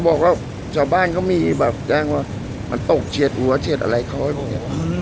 ก็บอกแล้วเจ้าบ้านเขามีแบบการว่ามันตกเชียดหัวเชียดอะไรข้อมันเนี่ย